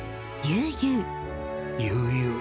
『悠々』。